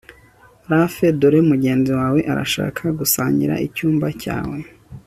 Lafe dore mugenzi wawe arashaka gusangira icyumba cyawe